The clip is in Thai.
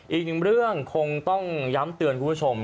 อีกหนึ่งเรื่องคงต้องย้ำเตือนคุณผู้ชม